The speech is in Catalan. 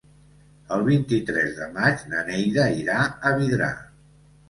El vint-i-tres de maig na Neida irà a Vidrà.